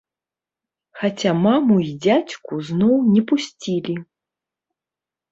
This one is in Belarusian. Хаця маму і дзядзьку зноў не пусцілі.